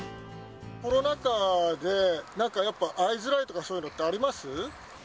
コロナ禍で、なんかやっぱ会いづらいとか、そういうのってあります？